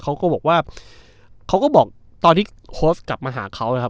เขาก็บอกว่าเขาก็บอกตอนที่โค้ชกลับมาหาเขานะครับ